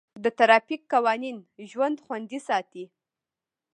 د ټرافیک قوانین د ژوند خوندي ساتي.